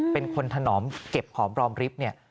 เป็นคนถนอมเก็บหอมรอมริฟท์เนี่ย